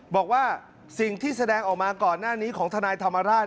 บอกว่าสิ่งที่แสดงออกมาก่อนหน้านี้ของทนายธรรมราช